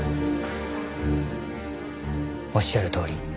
おっしゃるとおり。